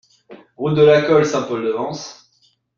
Route de la Colle, Saint-Paul-de-Vence